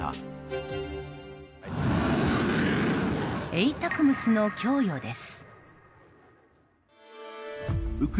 ＡＴＡＣＭＳの供与です。